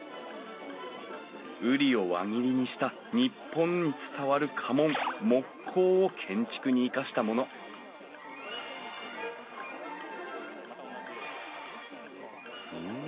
瓜を輪切りにした日本に伝わる家紋木瓜を建築に生かしたものふん。